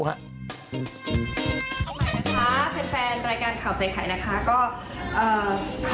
ก็ขอให้ดีกว่าปี๒๐๒๐ค่ะ